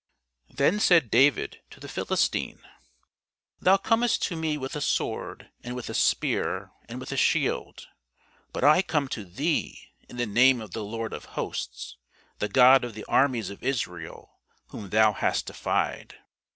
Then said David to the Philistine, Thou comest to me with a sword, and with a spear, and with a shield: but I come to thee in the name of the Lord of hosts, the God of the armies of Israel, whom thou hast defied.